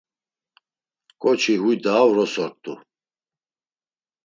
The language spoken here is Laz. Ǩoçi huy daa vrosort̆u.